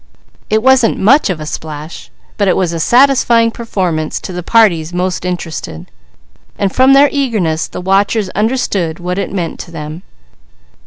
It wasn't much of a splash, but it was a satisfying performance to the parties most interested, and from their eagerness the watchers understood what it meant to them.